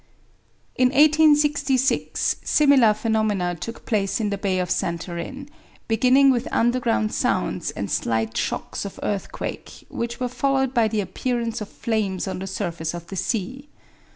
In 1866 similar phenomena took place in the Bay of Santorin, beginning with underground sounds and slight shocks of earthquake, which were followed by the appearance of flames on the surface of the sea.